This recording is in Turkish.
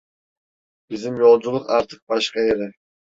Bizim yolculuk artık başka yere…